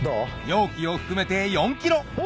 容器を含めて４ｋｇお！